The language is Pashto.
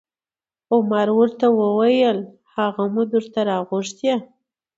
عمر ورته وویل: هغه مو درته راغوښتی